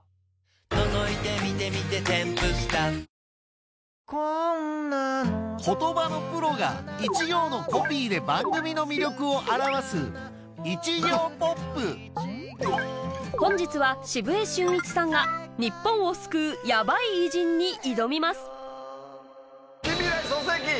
注目の言葉のプロが一行のコピーで番組の魅力を表す本日は澁江俊一さんが『日本を救うヤバイ偉人』に挑みます